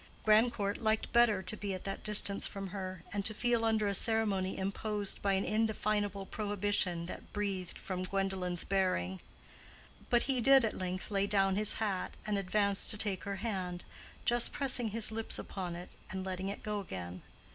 Grandcourt liked better to be at that distance from her, and to feel under a ceremony imposed by an indefinable prohibition that breathed from Gwendolen's bearing. But he did at length lay down his hat and advance to take her hand, just pressing his lips upon it and letting it go again.